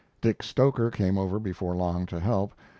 Dick Stoker came over before long to help.